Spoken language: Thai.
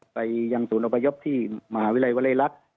ไปยังศูนย์อัพยอบที่มหาวิรัยวะเรยรักษ์